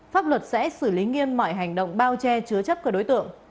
pháp luật sẽ xử lý nghiêm mọi hành động bao che chứa chấp các đối tượng